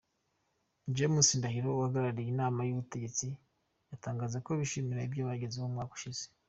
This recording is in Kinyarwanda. James Ndahiro uhagarariye inama y’ubutegetsi yatangaje ko bishimira ibyo bagezeho umwaka ushize.